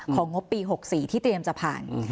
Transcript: งบปี๖๔ที่เตรียมจะผ่าน